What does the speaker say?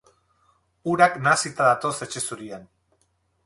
Urak nahasita datoz etxe zurian.